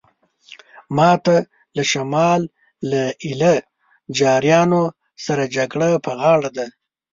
ماته له شمال له ایله جاریانو سره جګړه په غاړه ده.